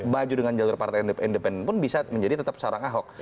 baju dengan jalur partai independen pun bisa menjadi tetap seorang ahok